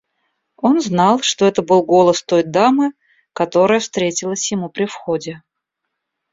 Он знал, что это был голос той дамы, которая встретилась ему при входе.